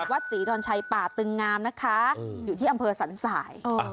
วัดศรีดอนชัยป่าตึงงามนะคะอยู่ที่อำเภอสันสาย